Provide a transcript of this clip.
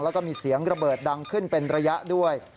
แล้วก็มีเสียงระเบิดดังขึ้นเป็นระยะด้วย